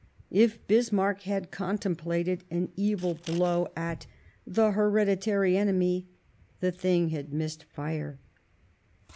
If Bismarck had contemplated an evil blow at the " hereditary enemy," the thing had missed fire.